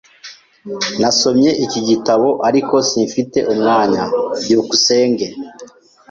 Nasomye iki gitabo, ariko simfite umwanya. byukusenge